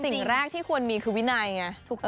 สิ่งแรกที่ควรมีคือวินัยไง